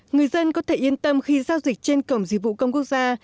người dân có thể yên tâm khi giao dịch trên cổng dịch vụ công quốc gia